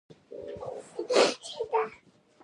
ډیوه افضل په موزیلا کامن وایس کی ډېر خدمت کړی دی